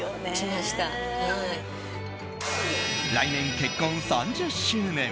来年、結婚３０周年！